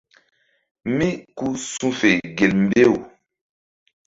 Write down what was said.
Mí ku su̧fe gel mbew.